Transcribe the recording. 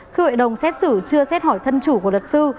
khi hội đồng xét xử chưa xét hỏi thân chủ của luật sư